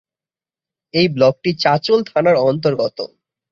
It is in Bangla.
এই ব্লকটি চাঁচল থানার অন্তর্গত।